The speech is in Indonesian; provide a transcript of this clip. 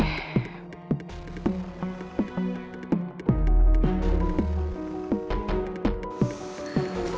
aku punar menanganmu